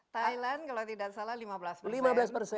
thailand kalau tidak salah lima belas menit